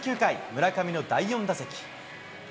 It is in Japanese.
村上の第４打席。